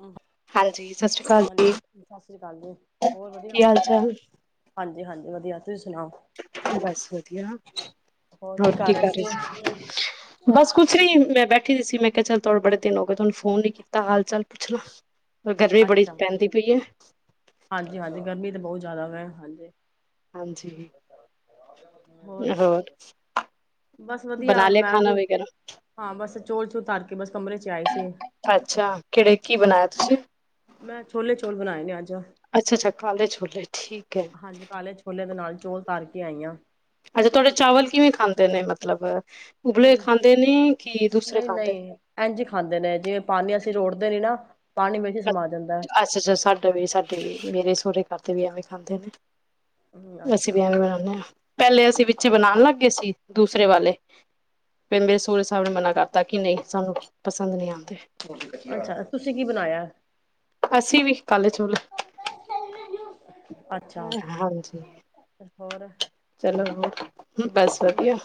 ਅਹ ਹਾਂਜੀ, ਸਤਿ ਸ਼੍ਰੀ ਅਕਾਲ ਜੀ, ਹਾਂਜੀ, ਸ ਸ਼੍ਰੀ ਕਾਲ ਜੀ। ਹੋਰ ਵਧੀਆ। ਕੀ ਹਾਲ ਚਾਲ? ਹਾਂਜੀ, ਹਾਂਜੀ ਵਧੀਆ। ਤੁਸੀਂ ਸੁਣਾਓ ਬਸ ਵਧੀਆ। ਹੋਰ ਕੀ ਕਰ ਰਹੇ ਸੀ? ਬਸ ਕੁਛ ਕੀ ਨੀ ਮੈਂ ਬੈਠੀ ਦੀ ਸੀ, ਮੈਂ ਕਿਆ ਚੱਲ ਤੋ ਬੜੇ ਦਿਨ ਹੋ ਗਏ, ਥੋਨੂੰ ਫੋਨ ਨੀ ਕੀਤਾ ਹਾਲ ਚਾਲ ਪੁੱਛਲਾਂ ਗਰਮੀ ਬੜੀ ਅੱਛਾ ਪੈਂਦੀ ਪਈ ਐ। ਬਹੁ ਜ਼ਿਆਦਾ ਵੈ, ਹਾਂਜੀ। ਹਾਂਜੀ। ਹੋਰ। ਬਸ ਬਣਾ ਲਿਆ ਖਾਣਾ ਵੇਗੈਰਾ। ਸ ਚੋਲ ਚੁਲ ਧਰ ਕੇ ਬਸ ਕਮਰੇ ਚ ਆਈ ਸੀ ਅੱਛਾ ਕੇਹੜੇ। ਕੀ ਆਹੋ ਬਣਾਇਆ ਤੁਸੀਂ? ਮੈਂ ਛੋਲੇ ਚੋਲ ਬਣਾਏ ਨੇ ਅੱਜ। ਅੱਛਾ ਅੱਛਾ, ਕਾਲੇ ਛੋਲੇ ਠੀਕ ਐ। ਹਾਂਜੀ ਕਾਲੇ ਛੋਲੇ ਦੇ ਨਾਲ ਚੋਲ ਧਰ ਕੇ ਆਈ ਆ। ਅੱਛਾ ਤੁਆਡੇ ਚਾਵਲ ਕਿਵੇਂ ਖਾਂਦੇ ਨੇ ਮਤਲਬ। ਉਬਲੇ ਹਮ ਖਾਂਦੇ ਨੇ ਕਿ ਦੂਸਰੇ ਨਹੀਂ ਖਾਂਦੇ? ਨਹੀਂ, ਇੰਝ ਈ ਖਾਂਦੇ ਨੇ, ਜਿਵੇਂ ਪਾਣੀ ਅਸੀਂ ਰੋੜਦੇ ਨੀ ਨਾ। ਪਾਣੀ ਵਿੱਚ ਸਮਾ ਜਾਂਦਾ ਹੈ ਅ-ਅੱਛਾ ਅੱਛਾ, ਸਾਡੇ ਵੀ ਸਾਡੇ ਵੀ ਮੇਰੇ ਸੋਰੇ ਘਰਦੇ ਵੀ ਐਵੇਂ ਖਾਂਦੇ ਨੇ। ਹਮ ਲੱਸੀ ਅੱਛਾ ਪੀਆਂਗੇ ਰਾਮ ਨਾ। ਪਹਿਲੇ ਅਸੀਂ ਵਿੱਚ ਬਣਾਣ ਲੱਗ ਗਏ ਸੀ। ਦੂਸਰੇ ਵਾਲੇ। ਫੇ ਮੇਰੇ ਸੋਰੇ ਸਾਬ ਨੇ ਮਨਾ ਕਰਤਾ ਕਿ ਨਹੀਂ ਸਾਨੂੰ ਪਸੰਦ ਨਹੀਂ ਆਂਦਾ। ਅੱਛਾ, ਤੁਸੀਂ ਕੀ ਬਣਾਇਆ? ਅਸੀਂ ਵੀ ਕਾਲੇ ਛੋਲੇ। ਅੱਛਾ ਹਾਂਜੀ। ਹੋਰ? ਏ ਲੇ ਲਵੋ। ਬਸ ਵਧੀਆ।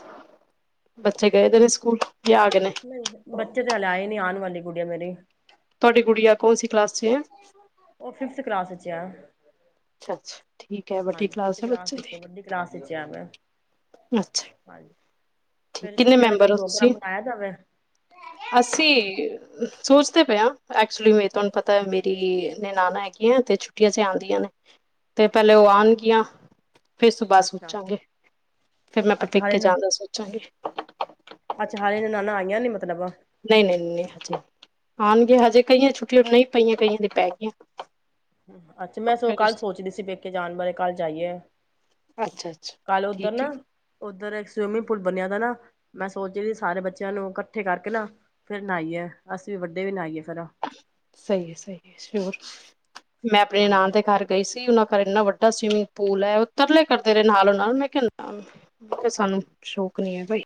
ਬੱਚੇ ਗਏ ਤੇ ਨੇ ਸਕੂਲ ਜਾਂ ਆ ਗਏ ਨੇ ਬੱਚੇ ਤੇ ਹਲੇ ਆਏ ਨੀ ਆਉਣ ਵਾਲੇ ਤੇ ਗੂੜੀਆ ਮੇਰੀ ਤੁਹਾਡੀ ਗੁੜੀਆ ਕੋਲ ਸੀ ਕਲਾਸ ਚ ਹੈ ਉਹ ਫਿਫਥ ਕਲਾਸ ਚ ਆ ਅੱਛਾ ਅੱਛਾ ਠੀਕ ਹੈ ਵੱਡੀ ਹਾਂਜੀ ਫਿਫਥ ਕਲਾਸ ਹੈ ਬੱਚੇ ਵਿੱਚ ਦੀ ਵੱਡੀ ਕਲਾਸ ਵਿੱਚ ਆ ਮੈਂ ਅਛਾ ਹਾਂਜੀ ਠੀਕ ਫੇਰ ਕਿੰਨੇ ਛੁੱਟੀਆਂ ਦਾ ਕੋਈ ਮੈਂਬਰ ਹੋ ਪ੍ਰੋਗਰਾਮ ਤੁਸੀਂ ਬਣਾਇਆ ਜਾਵੇ ਅਸੀਂ ਸੋਚਦੇ ਪਏ ਹ ਐਕਚੁਲੀ ਮੇ ਤੁਹਾਨੂੰ ਪਤਾ ਮੇਰੀ ਨਣਾਣਾ ਹੈਗੀਆਂ ਤੇ ਛੁੱਟੀਆਂ ਚ ਆਉਂਦੀਆਂ ਨੇ ਤੇ ਪਹਿਲੇ ਉਹ ਆਉਣਗੀਆਂ ਫੇਿਰ ਸੁਬਾਹ ਅੱਛਾ ਸੋਚਾਂਗੇ ਫੇਿਰ ਮੈਂ ਅੱਛਾ ਹਾਲੇ ਆਪਪਿੱਕੇ ਨ ਜਾਦਾ ਸ ਅੱਛਾ ਹਾਲੇ ਨਣਾਣਾ ਆਈਆਂ ਨੇ ਮਤਲਬ ਨਹੀਂ ਨਹੀਂ ਨਹੀਂ ਹਜੇ ਆਉਣਗੇ ਹਜੇ ਕਈਆਂ ਛੁੱਟੀਆਂ ਨਹੀਂ ਪਈਆਂ ਕਈਆਂ ਦੀ ਪੈ ਗਈਆਂ ਅੱਛਾ ਮੈਂ ਫਿਰ ਕੱਲ ਉਸ ਸੋਚਦੀ ਸੀ ਪੇਕੇ ਜਾਣ ਬਾਰੇ ਕੱਲ ਜਾਈਏ ਅੱਛਾ ਅੱਛਾ ਕੱਲ ਉੱਧਰ ਠੀਕ ਹੈ ਨਾ ਉੱਧਰ ਇੱਕ ਸਵੀਮਿੰਗ ਪੂਲ ਬਣਿਆ ਤਾ ਨਾ ਮੈਂ ਸੋਚ ਰਹੀ ਸੀ ਸਾਰੇ ਬੱਚਿਆਂ ਨੂੰ ਇਕੱਠੇ ਕਰਕੇ ਨਾ ਫਿਰ ਨਹਾਾਈਏ ਅਸੀਂ ਵੀ ਵੱਡੇ ਵੀ ਨਾਈਏ ਸਹੀ ਹੈ ਸਹੀ ਹੈ ਸ਼ਯੁਰ ਮੈਂ ਆਪਣੇ ਨਣਾਣ ਹਾਂਜੀ ਦੇ ਘਰ ਗਈ ਸੀ ਉਹਨਾਂ ਘਰ ਇੰਨਾ ਵੱਡਾ ਵੱਡਾ ਸਵਿਮਿੰਗ ਪੂਲ ਹੈ ਉਹ ਤਰਲੇ ਕਰਦੇ ਰਹੇ ਨਾਲੋਂ ਨਾਲ ਮੈਂ ਕ ਮੈਂ ਕਿਹਾ ਸਾਨੂੰ ਸ਼ੌਕ ਨੀ ਹੈ ਬਾਈ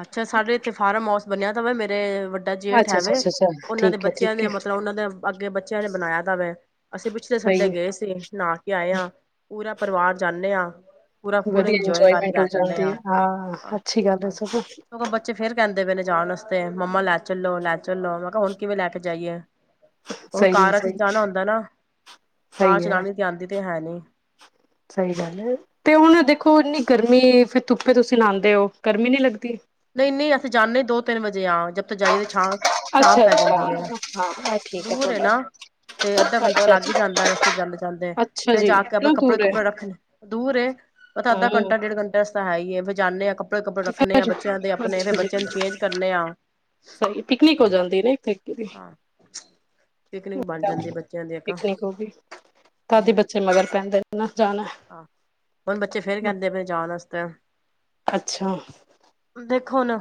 ਅੱਛਾ ਸਾਡੇ ਇੱਥੇ ਫਾਰਮ ਹਾਊਸ ਬਣਿਆ ਤਾਂ ਵਾ ਮੇਰੇ ਵੱਡਾ ਜੇਠ ਅੱਛਾ ਅੱਛਾ ਹੈਵੇ ਅੱਛਾ ਅੱਛਾ ਉਹਨਾਂ ਦੇ ਠੀਕ ਹੈ ਬੱਚਿਆਂ ਠੀਕ ਹੈ ਦੇ ਮਤਲਬ ਉਹਨਾਂ ਦੇ ਅੱਗੇ ਬੱਚਿਆਂ ਨੇ ਬਣਾਇਆ ਦਾਵੇ ਅਸੀਂ ਪਿਛਲੇ ਸਹੀ ਸੰਡੇ ਗਏ ਸੀ ਨਹਾ ਕੇ ਆਏ ਹਾਂ ਪੂਰਾ ਪਰਿਵਾਰ ਜਾਂਦੇ ਹਾਂ ਹ [unintelligible] ਵਧੀਆ ਇੰਜੋਏਮੈਂਟ ਹੋ ਜਾਂਦੀ ਹਾਂ ਅੱਛੀ ਗੱਲ ਹੈ ਸਗੋਂ ਉਹ ਬੱਚੇ ਫੇਰ ਕਹਿੰਦੇ ਪਏ ਨੇ ਜਾਣ ਵਾਸਤੇ ਮੰਮਾ ਲੈ ਚਲੋ ਲੈ ਚਲੋ ਮੈਂ ਕਿਹਾ ਹੁਣ ਕਿਵੇਂ ਲੈ ਕੇ ਜਾਈਏ ਹੁਣ ਸਹੀ ਹੈ ਕਾਰਾਂ ਚ ਸਹੀ ਜਾਣਾ ਹੁੰਦਾ ਨਾ ਕਾਰ ਸਹੀ ਹੈ ਚਲਾਉਣੀ ਤੇ ਆਉਂਦੀ ਤੇ ਹੈ ਨਹੀਂ ਸਹੀ ਗੱਲ ਹੈ ਤੇ ਹੁਣ ਦੇਖੋਨੀ ਗਰਮੀ ਫਿਰ ਧੁੱਪੇ ਤੁਸੀਂ ਲਾਉਂਦੇ ਹੋ ਗਰਮੀ ਨਹੀਂ ਲੱਗਦੀ ਨਹੀਂ ਨਹੀਂ ਅਸੀਂ ਜਾਂਨੇ ਦੋ ਤਿੰਨ ਵਜੇ ਜੇ ਹਾਂ ਜਦ ਤੋਂ ਜਾਈਏ ਤੇ ਸ਼ਾਮ ਅੱਛਾ ਪੈ ਅੱਛਾ ਜਾਂਦੀ ਹੈ ਹਾਂ ਇਹ ਠੀਕ ਹੈ ਦੂਰ ਐ ਤੁਹਾਡਾ ਨਾ ਤੇ ਅੱਧਾ ਘੰਟਾ ਅੱਛਾ ਲੱਗ ਅੱਛਾ ਹੀ ਜਾਂਦਾ ਰਸਤੇ ਚਦੇ ਜਾਂਦੇ ਅੱਛਾ ਫੇਰ ਜੀ ਜਾ ਕੇ ਆਪਣੇ ਇਨਾ ਕੱਪੜੇ ਦੂਰ ਹੈ ਕੱਪੜੇ ਰੱਖਣੇ ਦੂਰ ਏ ਪਤਾ ਅੱਧਾ ਹਮ ਘੰਟਾ ਡੇਢ ਘੰਟਾ ਤਾਂ ਹੈ ਹੀਏ ਬਸ ਜਾਂਨੇ ਹਾਂ ਕਪੜੇ ਕੱੜੜੇ ਤੇ ਰੱਖਨੇ ਆਂ ਫਿਰ ਸਹੀ ਪਿਕਨਿਕ ਹੋ ਜਾਂਦੀ ਨਾ ਇਥੇ ਵੀ ਹਾਂ ਪਿਕਨਿਕ ਬਣ ਜਾਂਦੀ ਬੱਚਿਆਂ ਦੀ ਇੱਕ ਪਿਕਨਿਕ ਹੋ ਗਈ ਦਾਦੀ ਬੱਚੇ ਮਗਰ ਪੈਂਦੇ ਨਾ ਜਾਣਾ ਹਾਂ ਹੁਣ ਬੱਚੇ ਫੇਰ ਕਹਿੰਦੇ ਪਏ ਜਾਣ ਵਾਸਤੇ [unintelligible] ਅੱਛਾ ਵੇਖੋ ਹੁਣ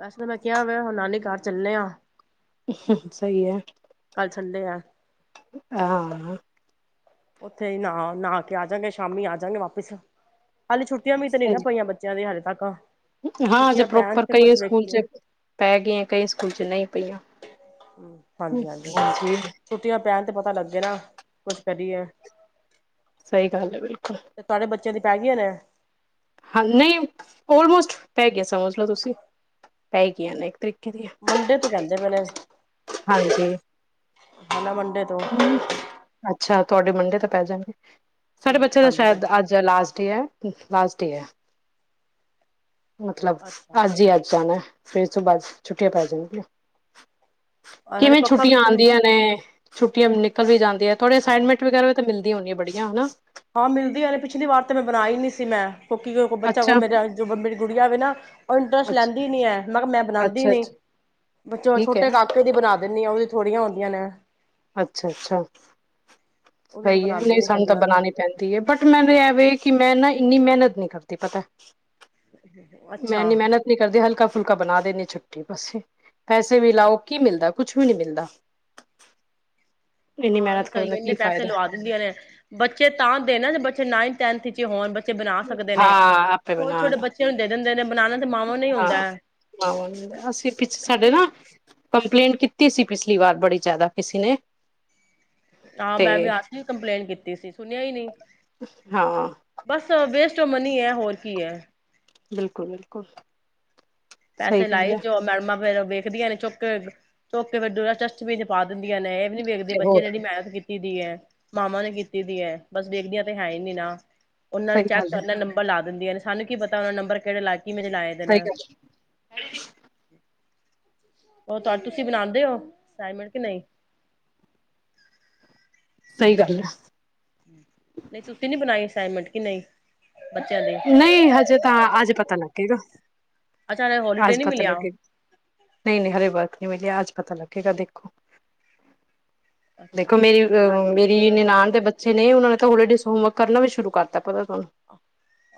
ਵੈਸੇ ਤਾਂ ਮੈਂ ਕਿਹਾ ਹੋਇਆ ਹੁਣ ਨਾਨੀ ਘਰ ਚੱਲੇ ਆ। ਸਹੀ ਐ। ਥੱਲੇ ਆ। ਆਹਾ ਉੱਥੇ ਈ ਨਾਹ ਨਾਹ ਕੇ ਆਜਾਗੇ ਸ਼ਾਮੀ ਆਜਾਗੇ ਵਾਪਿਸ। ਹਾਲੇ ਛੁੱਟੀਆ ਵੀ ਤਾਂ ਨਹੀਂ ਨਾ ਸਹੀ ਪਈਆਂ ਬੱਚਿਆਂ ਦੇ ਹਾਲੇ ਅੱਗੋ ਹਾਂ ਅਜੇ ਪ੍ਰੋਪਰ ਕਈ ਸਕੂਲ ਚ ਪੈ ਗਈਆਂ ਕਈ ਸਕੂਲ ਚ ਨਹੀਂ ਪਈਆਂ। ਹਾਂਜੀ ਹਾਂਜੀ, ਛੁੱਟੀਆਂ ਪੈਣ ਤੇ ਪਤਾ ਲੱਗੇ ਨਾ ਕੁਛ ਕਰੀਏ। ਸਹੀ ਗੱਲ ਹੈ ਬਿਲਕੁਲ। ਤੇ ਤੁਹਾਡੇ ਬੱਚਿਆਂ ਦੀ ਪੈ ਗੀਆਂ ਨੇ। ਹਾਂ ਨਹੀਂ ਓਲਮੋਸਟ ਪੈ ਗੀਆ ਸਮਝ ਲਓ ਤੁਸੀਂ। ਪੈ ਗਈਆਂ ਨੇ ਇੱਕ ਤਰੀਕੇ ਦੀਆਂ। ਮੰਡੇ ਤੋਂ ਕਹਿੰਦੇ ਪਏ ਨੇ ਹਾਂਜੀ ਹੈਗਾ ਮੰਡੇ ਤੋਂ। ਅੱਛਾ ਤੁਹਾਡੇ ਮੰਡੇ ਤਾਂ ਪੈ ਜਾਂਣਗੇ। ਸਾਡੇ ਬੱਚੇ ਦਾ ਹਾਂਜੀ ਸ਼ਾਇਦ ਹਾਂਜੀ ਅੱਜ ਲਾਸਟ ਡੇ ਐ। ਲਾਸਟ ਈ ਐ। ਮਤਲਬ, ਅੱਛਾ ਅੱਜ ਹੀ ਅੱਜ ਜਾਣਾ ਫਿਰ ਇਸ ਤੋਂ ਬਾਅਦ ਛੁੱਟੀਆਂ ਪੈ ਜਾਣੀਆਂ। [unintelligible] ਹਾਲੇ ਕਿਵੇਂ ਪੱਕਾ ਵੀ ਛੁੱਟੀਆਂ ਤਾਂ ਨਹੀਂ ਆਦੀਆਂ ਨੇ। ਛੁੱਟੀਆ ਵੀ ਨਿਕਲ ਵੀ ਜਾਂਦੀਆ ਥੋੜ੍ਹੇ ਅਸਾਈਨਮੈਂਟ ਵਗੈਰਾ ਵੀ ਤਾਂ ਮਿਲਦੀਆਂ ਹੋਣੀਆ ਬੜੀਆਂ ਹਨਾ। ਹਾਂ ਮਿਲਦੀਆ ਨੇ ਪਿਛਲੀ ਵਾਰ ਤੇ ਮੈਂ ਬਣਾਈ ਨਹੀਂ ਸੀ ਮੈਂ। [unintelligible] ਕੋ ਬੱਚਾ ਹੋ ਗਿਆ ਅੱਛਾ ਮੇਰਾ ਅੱਜ ਦੇ ਬਾਅਦ ਮੇਰੀ [unintelligible] ਵਧੀਆ ਵੇ ਨਾ ਉਹ ਇੰਟਰਸਟ ਅੱਛਾ ਲੈਂਦੀ ਨਹੀਂ ਐ, ਮੈਂ ਕਿਹਾ ਮੈਂ ਬਣਾਦੀ ਅੱਛਾ ਨਹੀ। ਅੱਛਾ [unintelligible] ਠੀਕ ਹੈ ਛੋਟੇ ਕਾਕੇ ਦੀ ਬਣਾ ਦਿੰਨੀ ਆ ਉਹ ਵੀ ਥੋੜੀਆਂ ਹੁੰਦੀਆਂ ਨੇ। ਅੱਛਾ ਅੱਛਾ ਉਹਦੀ ਤੇ ਸਹੀ ਹੈ ਬਣਾਉਂਦੀ ਨਹੀਂ ਨੀ ਫਿਰ ਸਾਨੂੰ ਤਾਂ ਮੈਂ ਬਣਾਣੀ ਪੈਂਦੀ ਹੈ ਬਟ ਮੈਨੂੰ ਐਵੇਂ ਕਿ ਮੈਂ ਨਾ ਇੰਨੀ ਮਿਹਨਤ ਨੀ ਕਰਦੀ ਪਤਾ ਮੈਂ ਅੱਛਾ ਨੀ ਮਿਹਨਤ ਨੀ ਕਰਦੀ ਹਲਕਾ ਫੁਲਕਾ ਬਣਾ ਦੇਿੰਦੇ ਛੁੱਟੀ ਬਸੇ ਪੈਸੇ ਵੀ ਲਾਓ ਕੀ ਮਿਲਦਾ ਕੁਛ ਵੀ ਨਹੀਂ ਮਿਲਦਾ ਇੰਨੀ ਹਾਂ, ਵੀ ਮਿਹਨਤ ਸਹੀ ਕਰਨ ਦਾ ਇੰਨੇ ਕੀ ਪੈਸੇ ਫਾਇਦਾ ਲਵਾ ਦਿੰਦੀਆਂ ਨੇ, ਬੱਚੇ ਤਾਂ ਦੇ ਨਾ ਬੱਚੇ ਨਾਈਨਥ ਟਨਥ ਹ ਹੋਣ ਬੱਚੇ ਬਣਾ ਸਕਦੇ ਨੇ ਹਾਂ, ਆਪੇ ਛੋਟੇ ਬਣਾ ਛੋਟੇ ਲ ਬੱਚਿਆਂ ਨੂੰ ਦੇ ਦਿੰਦੇ ਨੇ ਬਣਾਉਣਾ ਤੇ ਮਾਵਾਂ ਨੂੰ ਹੀ ਹੁੰਦਾ ਹਾਂ ਹੈ ।ਅਸੀਂ ਪਿੱਛੇ ਸਾਡੇ ਪਿਛਲੀ ਨਾ ਕੰਪਲੇਂਟ ਕੀਤੀ ਸੀ, ਪਿਛਲੀ ਵਾਰ ਬੜੀ ਜ਼ਿਆਦਾ ਕਿਸੇ ਨੇ ਹਾਂ, ਤੇ ਮੈਂ ਵੀ ਆਸ ਕੰਪਲੇਂਟ ਕੀਤੀ ਸੀ ਸੁਣਿਆ ਹੀ ਨਹੀਂ ਹਾਂ ਬਸ ਵੇਸ ਘਮਨੀ ਹੀ ਹੋਰ ਕੀ ਹੈ ਬਿਲਕੁਲ ਬਿਲਕੁਲ ਸਹੀ ਪੈਸੇ ਗੱਲ ਲਾਏ ਹੈ ਕਿਉ ਜੇ ਮੈਡਮਾ ਫੇਰ ਵੇਖਦੀਆਂ ਨੇ ਚੱਕ ਚੋਕੇ ਵ ਜਸਟਬਿਨ ਚ ਪਾ ਨਾਲੇ ਵੇਖਦੀ ਨੇ ਇਹ ਵੀ ਵੇਖਦੇ ਤੇ ਬੱਚੇ ਹੋਰ ਨੇ ਜਿੜੀ ਮਿਹਨਤ ਕੀਤੀ ਕੀਤੀ ਦੀ ਹੈ ਮਾਵਾ ਨੇ ਕੀਤੀ ਦੀ ਹੈ ਬਸ ਵੇਖਦੀਆਂ ਤੇ ਹੈ ਹੀ ਨੀ ਨਾ ਉਹਨਾਂ ਨੂੰ ਸਹੀ ਚੈੱਕ ਗੱਲ ਹੈ ਕਰਨਾ ਨੰਬਰ ਲਾ ਦਿੰਦੀਆਂ ਨੇ ਸਾਨੂੰ ਕੀ ਪਤਾ ਉਹਨਾ ਨੰਬਰ ਕਿਹੜੇ ਲੱਗਾਏ ਕਿਵੇਂ ਦੇ ਲਾਏ ਦੇ ਨੇ ਸਹੀ ਹੂੰ ਗੱਲ ਉਹ ਤੁ ਤੁਸੀਂ ਬਣਾਉਦੇ ਹੋ ਅਸਾਈਮੈਂਟ ਕੇ ਨਹੀਂ ਸਹੀ ਗੱਲ ਹੈ। ਨਹੀਂ, ਤੁਸੀ ਨਹੀਂ ਬਣਾਈ ਅਸਾਈਨਮੈਂਟ ਕਿ ਨਹੀਂ ਬੱਚਿਆਂ ਦੀ ਨਹੀਂ, ਹਜੇ ਤਾਂ ਅੱਜ ਪਤਾ ਲੱਗੇਗਾ ਅੱਛਾ ਹਲੇ ਹੋਲੀਡੇ ਆਜ ਨੀ ਪਤਾ ਮਿਲਿਆ ਲੱਗੇ ਨਹੀਂ ਨਹੀਂ ਹਰੇ ਵਰਕ ਨਹੀਂ ਮਿਲੀ ਅੱਜ ਪਤਾ ਲੱਗੇਗਾ ਦੇਖੋ ਅੱਛਾ ਦੇਖੋ, ਮੇਰੀ ਅਹ ਮੇਰੀ ਨਿਨਾਣਨ ਦੇ ਬੱਚੇ ਨੇ ਉਹਨਾਂ ਨੇ ਤਾਂ ਹੋਲੀ ਡੇਜ਼ ਹੋਮਵਰਕ ਕਰਨਾ ਵੀ ਸ਼ੁਰੂ ਕਰਤਾ ਪਤਾ ਤੁਹਾਨੂੰ।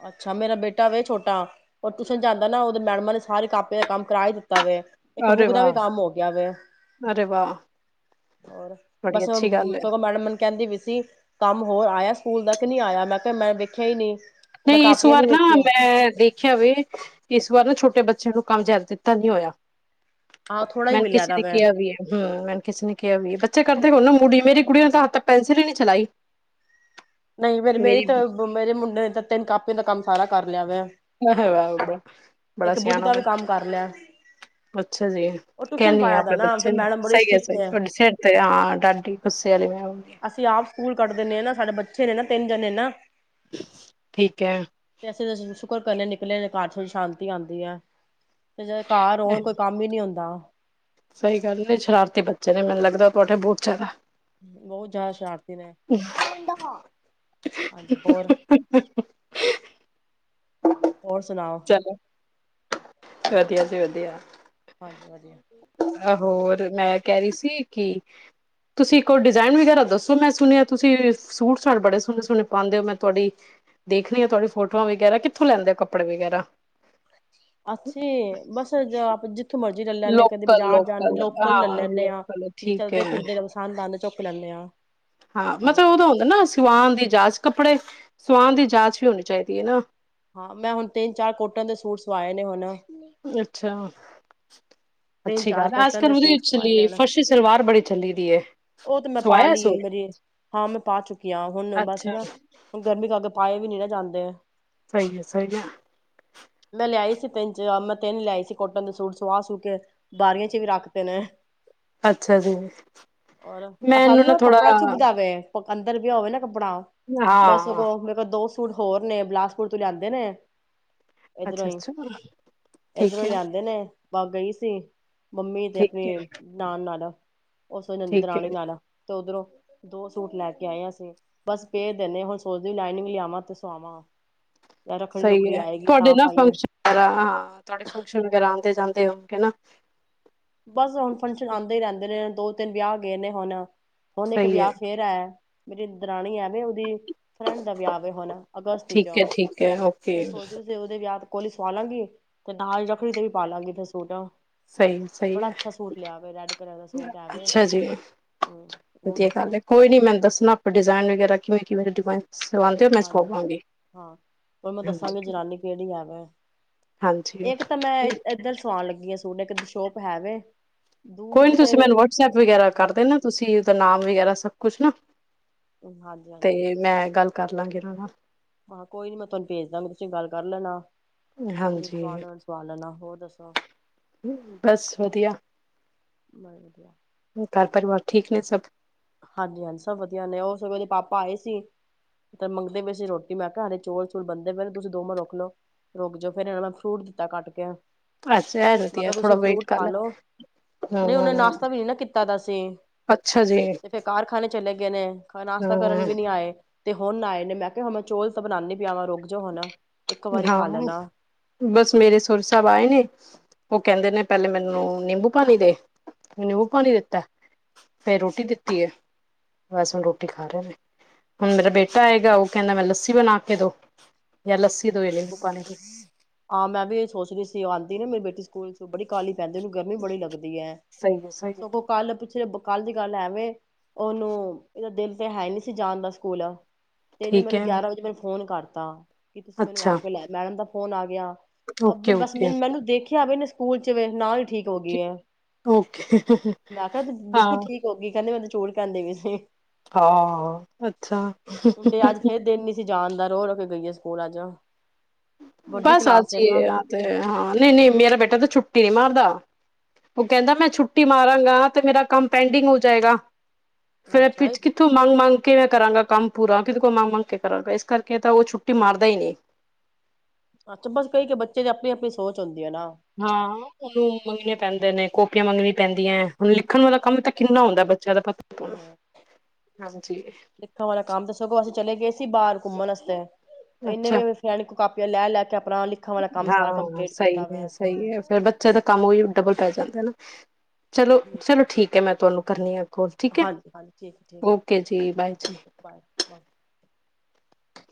ਅੱਛਾ। ਮੇਰਾ ਬੇਟਾ ਅੱਜੇ ਛੋਟਾ ਉਹ ਟਿਊਸ਼ਨ ਜਾਂਦਾ ਨਾ ਉਹਦੇ ਮੈਡਮਾਂ ਨੇ ਸਾਰੇ ਕਾਪੀਆਂ ਦਾ ਕੰਮ ਕਰਾ ਹੀ ਦਿੱਤਾ ਇੱਕ ਅਰੇ ਬੁੱਕ ਦਾ ਵੀ ਵਾਹ ਕੰਮ ਹੋ ਗਿਆ ਵੇ ਅਰੇ ਵਾਹ। ਹੋਰ, ਬੜੀ ਬਸ ਅੱਛੀ ਗੱਲ ਹੈ ਸਗੋਂ ਮੈਡਮ ਕਹਿੰਦੀ ਵੀ ਸੀ, ਕੰਮ ਹੋਰ ਆਇਆ ਸਕੂਲ ਦਾ ਕੀ ਨਹੀਂ ਆਇਆ ਮੈਂ ਤੇ ਮੈਂ ਕੀਨਹੀਂ ਨਹੀਂ ਇਸ ਵਾਰ ਨਾ ਮੈਂ ਦੇਖਿਆ ਵੇ ਇਸ ਵਾਰ ਨਾ ਛੋਟੇ ਬੱਚਿਆਂ ਨੂੰ ਕੰਮ ਜ਼ਿਆਦਾ ਦਿੱਤਾ ਨੀ ਹੋਇਆ ਆਹੋ ਥੋੜਾ ਹੀ ਮੈ ਮਿਲਿਆ ਕਿਸੇ ਦਾ ਨੇ ਮੈਂ ਕਿਹਾ ਵੀ ਹੈ ਹਮ ਮੈਨ ਕਿਸੇ ਨੇ ਕਿਹਾ ਵੀ ਹੈ ਬੱਚੇ ਕਰਦੇ ਨ ਮੁੜੀ ਮੇਰੀ ਕੁੜੀ ਨੇ ਤਾਂ ਹੱਥ ਪੈਨਸਿਲ ਹੀ ਨੀ ਚਲਾਈ। ਨਹੀਂ ਫੇਰ ਮੇਰੀ ਤੇ ਮੇਰੇ ਮੁੰਡੇ ਨੇ ਤਾਂ, ਤਿੰਨ ਕਾਪੀਆਂ ਦਾ ਕੰਮ ਸਾਰਾ ਕਰ ਲਿਆ ਵੇ, ਬੜਾ ਇੱਕ ਬੁੱਕ ਸਿਆਣਾ ਦਾ ਵੀ ਵਾ ਕੰਮ ਕਰ ਲਿਆ ਅੱਛਾ ਜੀ ਉਹ ਟਿਊਸ਼ਨ ਕਹਿੰਨੀ ਆ ਪਾਇਆ ਦਾ ਆਪਣੇ ਨਾ ਫਿਰ ਬੱਚੇ ਨੂੰ ਮੈਡਮ ਬੜੀ ਸਹੀ ਹੈ ਸਟ੍ਰਿਕਟ ਸਹੀ ਤੁਹਾਡੇ ਸਿਰ ਤੇ ਹਾਂ ਡਾਡੀ ਗੁੱਸੇ ਆਲੀ ਫਿਰ ਐਦੇ ਪੇਦੇ ਨੇ ਨਾਂ, ਠੀਕ ਹੈ ਪੈਸੇ ਵੈਸੇ [unintelligible] ਕੁਰ ਕਰਨੇ ਨਿਕਲੇ ਨੇ ਘਰ ਚ ਸ਼ਾਂਤੀ ਆਦੀ ਐ। ਤੇ ਜੇ ਘਰ ਹੋਣ ਕੋਈ ਕੰਮ ਹੀ ਨੀ ਹੁੰਦਾ। ਸਹੀ ਗੱਲ ਐ, ਸ਼ਰਾਰਤੀ ਬੱਚੇ ਨੇ ਮੈਨੂੰ ਲੱਗਦਾ, ਤੁਹਾਡੇ ਬਹੁਤ ਜ਼ਿਆਦਾ ਬਹੁਤ ਜ਼ਿਆਦਾ ਸ਼ਰਾਰਤੀ ਨੇ ਹਾਂਜੀ ਹੋਰ, ਹੋਰ ਸੁਣਾਓ। ਚਲੋ ਵਧੀਆ ਜੀ ਵਧੀਆ, ਹਾਂਜੀ ਵਧੀਆ, ਆਹ ਵਧੀਆ ਹੋਰ ਮੈਂ, ਕਹਿ ਰਹੀ ਸੀ, ਕਿ ਤੁਸੀਂ ਕੋਈ ਡਿਜਾਇਨ ਵਗੈਰਾ ਦੱਸੋ ਮੈਂ ਸੁਣਿਆ ਤੁਸੀ ਸੂਟ ਸਾਟ ਬੜੇ ਸੋਹਣੇ-ਸੋਹਣੇ ਪਾਦੇ ਔ ਮੈਂ ਤੁਹਾਡੀ ਦੇਖਣੀ ਆ ਤੁਹਾਡੀ ਫੋਟੋਆਂ ਵਗ਼ੈਰਾ ਕਿੱਥੋਂ ਲੈਂਦੇ ਕੱਪੜੇ ਵਗੈਰਾ ਅੱਛੀ ਬਸ ਆਪ ਜ ਜਿਥੇ ਮਰਜ਼ੀ ਲੈ ਲੈਂਲੇ ਆ ਕਦੇ ਲੋਕਲ ਬਾਜ਼ਾਰ ਜਾ ਲੋਕਲ ਲੈ ਹਾਂ ਲੇਨੇ ਆ ਲੋਕਲ ਜੇ ਠੀਕ ਚਲਦੇ ਹੈ ਫਿਰਦੇ ਪਸੰਦ ਆਂਦੇ ਖ ਲੈਂਨੇ ਆਂ। ਹਾਂ ਮਤਲਬ ਉਹਦਾ ਹੁੰਦਾ ਨਾ ਸਿਵਾਨ ਦੀ ਜਾਚ ਕੱਪੜੇ ਸਵਾਣ ਦੀ ਜਾਂਚ ਵੀ ਹੋਣੀ ਚਾਹੀਦੀ ਹੈ ਨਾ, ਹਾਂ ਮੈਂ ਹੁਣ ਤਿੰਨ ਚਾਰ ਕੋਟਨ ਦੇ ਸੂਟ ਸਵਾਏ ਨੇ ਹੁਣ ਅੱਛਾ, ਤਿੰਨ ਅੱਛੀ ਚਾਰ ਗੱਲ ਅੱਜ ਕੋਟਨ ਕੱਲ ਦੇ ਉਹਦੀ ਸੂਟ ਸਵਾਏ ਨੇ, ਚੱਲੀ ਹੁਣ ਫਰਸ਼ੀ ਸਲਵਾਰ ਬੜੀ ਚੱਲੀ ਦੀ ਹੈ ਉਹ ਤੇ ਮੈਂ ਪਾ ਸਵਾਇਆ ਲਈ ਏ ਸੂਟ? ਮੇਰੀ ਹਾਂ ਮੈਂ ਪਾ ਚੁੱਕੀ ਆ ਹੁਣ ਬਸ ਅੱਛਾ ਹਨਾ ਗਰਮੀ ਤੋਂ ਅੱ ਪਾਏ ਵੀ ਨੀ ਨਾ ਜਾਂਦੇ ਐ। ਸਹੀ ਹੈ, ਸਹੀ ਐ। ਮੈਂ ਲਿਆਈ ਸੀ, ਤਿੰਨ ਚਾ ਮੈਂ ਤਿੰਨ ਲਿਆਈ ਸੀ ਕੋਟਨ ਸੂਟ ਸੁਆ ਸੂ ਕੇ ਬਾਰੀਆਂ ਚ ਵੀ ਰੱਖ ਤੇ ਨੇ, ਅੱਛਾ ਜੀ ਮੈਂ ਇਨਾ ਥੋੜਾ, ਪਕੰਦਰ ਵੀ ਹੋਵੇ ਨਾ, ਬਣਾਉਣ, ਮੈਂ ਹਾਂ ਸਗੋਂ ਮੇਰੇ ਦੋ ਸੂਟ ਹੋਰ ਨੇ ਬਿਲਾਸਪੁਰ ਤੋਂ ਲਿਆਂਦੇ ਨੇ, ਇਧਰੋਂ ਅੱਛਾ ਹੀ ਅੱਛਾ ਠੀਕ ਇਧਰੋਂ ਹੈ ਲਿਆਂਦੇ ਨੇ, ਬਸ ਗਈ ਸੀ। ਮੰਮੀ ਤੇ ਠੀਕ ਆਪਣੇ ਹੈ ਨਾਨ-ਨਾਲ, ਉਸੇ ਦਿਨ ਠੀਕ ਦਰਾਣੀ ਹੈ ਨਾਲ, ਤੇ ਉਧਰੋਂ ਦੋ ਸੂਟ ਲੈ ਕੇ ਆਏ ਆ ਅਸੀਂ ਬਸ ਪੇ ਦਿੰਦੇ ਹੁਣ ਸੋਚਦੇ ਲਾਈਨਿੰਗ ਲਿਆਵਾਂ ਤੇ ਸਆਵਾਂ ਸਹੀ ਹੈ ਤੁਹਾਡੇ ਨਾ ਫੰਕਸ਼ਨ ਵਰਾ ਹਾਂ ਤੁਹਾਡੇ ਫੰਕਸ਼ਨ ਵਗੈਰਾ ਆਉਂਦੇ ਜਾਂਦੇ ਹੋ। ਕਹਿਣਾ। ਬਸ ਹੁਣ ਫੰਕਸ਼ਨ ਆਉਂਦੇ ਹੀ ਰਹਿੰਦੇ ਨੇ ਦੋ ਤਿੰਨ ਵਿਆਹ ਹੈਗੇ ਨੇ ਹੁਣ ਹੁਣ ਇੱਕ ਸਹੀ ਹੈ ਵਿਆਹ ਫੇਰ ਆਇਆ। ਮੇਰੀ ਦਰਾਣੀ ਆ ਉਹਦੀ ਫਰੈਂਡ ਦਾ ਵਿਆਹ ਹੋ ਹੋਣਾ ਅਗਸਤ ਠੀਕ ਚੋਂ ਹੈ ਠੀਕ ਹੈ ਓਕੇ ਫੇਰ ਸੋਚਦੇ ਉਹਦੇ ਵਿਆਹ ਕੋਲੀ ਸਵਾ ਲਾਂਗੀ ਤੇ ਨਾਲ ਹੀ ਰੱਖੜੀ ਤੇ ਵੀ ਪਾ ਲਾਂਗੀ ਫਿਰ ਸੂਟ ਸਹੀ -ਸਹੀ ਬੜਾ ਹੈ ਅੱਛਾ ਸੂਟ ਲਿਆ ਵੇ ਰੈਡ ਕਲਰ ਦਾ ਸੂਟ ਹੈ ਵੇ ਅੱਛਾ ਜੀ ਹੂੰ, ਬਹੁਤ ਵਧੀਆ ਗੱਲ ਹੈ ਅੱਛਾ ਕੋਈ ਨੀ ਮੈਨੂੰ ਦੱਸਣਾ ਆਪਾਂ ਡਿਜ਼ਾਇਨ ਵਗੈਰਾ ਕਿਵੇਂ [unintelligible] ਹੋ ਮੈਂ ਹਾਂਜੀ ਸਵਾਵਾਂਗੀ ਹਾਂ ਤਹਾਨੂੰ ਮੈਂ ਹਾਂਜੀ ਦੱਸਾਂਗੀ ਜਨਾਨੀ ਕਿਹੜੀ ਆ ਆ ਹਾਂਜੀ ਇੱਕ ਤਾਂ ਮੈਂ ਇੱਧਰ ਸਵਾਉਣ ਲੱਗੀ ਆਂ। ਸੂਟ ਇੱਕ ਦੀ ਸ਼ੋਪ ਹੈ ਵੇ ਕੋਈ ਨੀ ਤੁਸੀਂ ਮੈਨੂੰ ਵਟਸਐਪ ਵਗੈਰਾ ਕਰਦੇ ਨਾ ਤੁਸੀਂ ਉਹਦਾ ਨਾਮ ਵਗੈਰਾ ਸਭ ਕੁਛ ਨਾ ਤੇ ਹਾਂਜੀ-ਹਾਂਜੀ। ਮੈਂ ਗੱਲ ਕਰ ਲਾਂਗੀ। [unintelligible] ਆਹੋ ਕੋਈ ਨੀ ਮੈਂ ਤੁਹਾਨੂੰ ਭੇਜਦਾ ਮੈਂ ਤੁਸੀਂ ਗੱਲ ਕਰ ਲੈਣਾ ਫੇਰ ਉਸ ਹਾਂਜੀ ਤੋ ਬਾਅਦ ਸਵਾ ਲੈਣਾ ਹੋਰ ਦੱਸੋ? ਬਸ ਵਧੀਆ ਬੜਾ ਵਧੀਆ। ਘਰ ਪਰਿਵਾਰ ਠੀਕ ਨੇ ਸਭ ਹਾਂਜੀ -ਹਾਂਜੀ ਸਭ ਵਧੀਆ ਨੇ ਉਹ ਉਹਦੇ ਪਾਪਾ ਆਏ ਸੀ ਤੇ ਮੰਗਦੇ ਵੀ ਸੀ ਰੋਟੀ ਮੈਂ ਕਿਹਾ ਹਡੇ ਚੋਲ ਚੂਲ ਬਣਦੇ ਫਿਰ ਤੁਸੀਂ ਦੋ ਮਿੰਟ ਰੁਕ ਲਓ ਰੁਕ ਜਾਓ ਫਿਰ ਇਹਨਾਂ ਮੈਂ ਫਰੂਟ ਦਿੱਤਾ ਕੱਟ ਕੇ ਅੱਛਾ ਮੈਂ ਨਾ ਕਿਹਾ ਥੋੜਾ ਤੁਸੀਂ ਵੇਟ ਫਰੂਟ ਕ ਖਾ ਲ ਲੋ। ਹਾਂ ਨਹੀਂ ਉਹਨੇ -ਹਾਂ ਨਾਸ਼ਤਾ ਵੀ ਨੀ ਨਾ ਕੀਤਾ ਦਾ ਸੀ ਅੱਛਾ ਜੀ। ਤੇ ਫੇਰ ਕਾਰਖਾਨੇ ਚਲੇ ਗਏ ਨੇ ਨਾਸ਼ਤਾ ਕਰਨ ਹਮ ਵੀ ਨੀ ਆਏ। ਤੇ ਹੁਣ ਆਏ ਨੇ ਮੈਂ ਕਿਹਾ ਮੈਂ ਚੌਲ ਤਾਂ ਬਣਾਾਨਦੀ ਪਿਆ ਵਾਂ ਰੋ ਹਾਂ ਬਸ ਮੇਰੇ ਸੋਰਾ ਸਾਹਿਬ ਆਏ ਨੇ। ਉਹ ਕਹਿੰਦੇ ਨੇ ਪਹਿਲੇ ਮੈਨੂੰ ਨਿੰਬੂ ਪਾਣੀ ਦੇ ਨਿੰਬੂ ਪਾਣੀ ਦਿੱਤਾ ਫੇਰ ਰੋਟੀ ਦਿੱਤੀ ਹੈ ਬਸ ਹੁਣ ਰੋਟੀ ਖਾ ਰਹੇ ਨੇ ਹੁਣ ਮੇਰਾ ਬੇਟਾ ਆਏਗਾ ਉਹ ਕਹਿੰਦਾ ਮੈਂ ਲੱਸੀ ਬਣਾ ਕੇ ਦੋ। ਜਾਂ ਲੱਸੀ ਦੇਵੋ ਜਾਂ ਨਿੰਬੂ ਪਾਣੀ ਆਾਂ ਮੈਂ ਵੀ ਇਹ ਸੋਚਣੀ ਸੀ ਆਂਦੀ ਨਾ ਮੇਰੀ ਬੇਟੀ ਸਕੂਲ ਬੜੀ ਕਾਹਲੀ ਪੈਂਦੀ ਉਹਨੂੰ ਗਰਮੀ ਬੜੀ ਲੱਗਦੀ ਹੈ ਸਹੀ ਹੈ ਸਹੀ ਹੈ ਸਗੋਂ ਕੱਲ ਪਿੱਛਲੇ ਕੱਲ ਦੀ ਗੱਲ ਐਵੇਂ ਉਹਨੂੰ ਇਹਦਾ ਦਿਲ ਤੇ ਹੈ ਨੀ ਸੀ ਜਾਣ ਦਾ ਸਕੂਲ ਤੇ ਇਹਨੇ ਠੀਕ ਮੈਨੂੰ ਹੈ ਗਿਆਰਾਂ ਵਜੇ ਮੈਨੂੰ ਫੋਨ ਕਰ ਤਾਂ ਕਿ ਤੁਸੀਂ ਮੈਨੂੰ ਆ ਅੱਛਾ ਕੇ ਲਿਆ ਮੈਂਡਮ ਦਾ ਫੋਨ ਆ ਜਾਂ ਅ ਓਕੇ ਬਸ ਓਕੇ ਮੈਨ ਮੈਨੂੰ ਦੇਖ ਿਆਵੇ ਨੇ ਸਕੂਲ ਚ ਨਾਲ ਠੀਕ ਹੋ ਗਈ ਆ ਓਕੇ ਮੈਂ ਕਿਹਾ ਹਾਂ ਵਿਕੁ ਠੀਕ ਹੋ ਗਈ ਕਹਿੰਦੇ ਮੈ ਚੋੜ ਕਰਦੇ ਵੀ ਸੀਂ ਹਾਂ ਅੱਛਾ ਤੇ ਅੱਜ ਫੇਰ ਦਿਨ ਨੀ ਸੀ ਜਾਣ ਦਾ ਰੋ ਰੋ ਕੇ ਗਈ ਆ ਸਕੂਲ ਅੱਜ ਵੱਡੀ ਬਸ ਕਲਾਸ ਏ ਨਾ ਅਜੀਏ ਆ ਹਾਂ ਨਹੀਂ ਨਹੀਂ ਮੇਰਾ ਬੇਟਾ ਤਾਂ ਛੁੱ ਛੁੱਟੀ ਨਹੀਂੀ ਮਾਰਦਾ ਉਹ ਕਹਿੰਦਾ ਮੈਂ ਛੁੱਟੀ ਮਾਰਾਂਗਾ ਤੇ ਮੇਰਾ ਕੰਮ ਪੈਂਡਿੰਗ ਹੋ ਜਾਏਗਾ ਫੇਿਰਿਰ ਅੱਛਾ ਕਿੱਥੋਂ ਮੰਗ ਮੰਗ ਕੇਵੇੈਂ ਕਰਾਂਗਾ ਕੰਮ ਪੂਰਾ ਕਿਤੇ ਕੋ ਮੰ ਮੰਗ ਕੇ ਕਰਾਂਗਾ ਇਸ ਕਰਕੇ ਤਾਂ ਉਹ ਛੁੱਟੀ ਮਾਰਦਾ ਹੀ ਨਹੀਂ ਅੱਛਾ ਬਸ ਕਈ ਕ ਬੱਚੇ ਦੇ ਆਪਣੀ ਆਪਣੀ ਸੋਚ ਹੁੰਦੀ ਹੈ ਨਾ ਹਾਂ ਉਹਨੂੰ ਮੰਹੀਨੇ ਪੈਂਦੇ ਨੇ ਕਾਪੀਆਂ ਮ ਮੰਗੀਆਂ ਪੈਂਦੀਆਂ ਹੁਣ ਲਿਖਣ ਵਾਲਾ ਕੰਮ ਤਾਂ ਕਿੰਨਾ ਹੁੰਦਾ ਬ ਹਮ ਹਾਂਜੀ ਦੇਖਣ ਵਾਲਾ ਕੰਮ ਤਾਂ ਸਗੋਂ ਅਸੀਂ ਚਲੇ ਗਏ ਸੀ ਬਾਹਰ ਘੁੰਮਣਸਤੇ ਇੰਨੇ ਅੱਛਾ ਵੀ ਸਿਆਣੀ ਕਾਪੀਆਂ ਲੈ ਲੈ ਕੇ ਆਪਣਾ ਲਿਖਣ ਵਾਲਾ ਕੰਮ ਸਾਰਾ ਹਾਂ ਕੰਪਲੀਟ ਸਹੀ ਕੀਤਾ ਹੈ ਵਾ ਸਹੀ ਹੈ ਫੇਰ ਬੱਚਿਆਂ ਦਾ ਕੰਮ ਉਹੀ ਡਬਲ ਪੈ ਕਰਦੇ ਨਾ ਚਲੋ ਚਲੋ ਠੀਕ ਹੈ ਮੈਂ ਤੁਹਾਨੂੰ ਕਰਨੀੀਆਂ ਹਾਂਜੀ ਹਾਂਜੀ ਠੀਕ ਹੈ ਠੀਕ ਹੈ ਜੀ ਬਾਏ ਜੀ ਓਕੇ ਬਾਏ ਬਾਏ